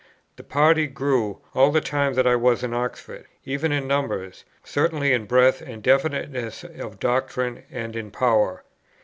The party grew, all the time that I was in Oxford, even in numbers, certainly in breadth and definiteness of doctrine, and in power.